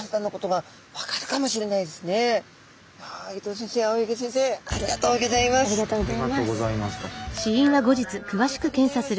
「ありがとうございます」。